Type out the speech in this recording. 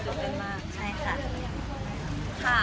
ใช่ค่ะ